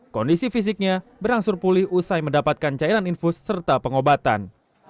kondisi fisiknya berangsur pulih usai mendapatkan cairan infus serta pengobatan